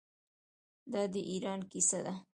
دا د ایران کیسه ده.